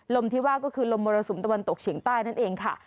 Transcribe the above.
ลมที่ว่าก็คือลมมรสุมตะวันตกเฉียงใต้นั่นเองค่ะ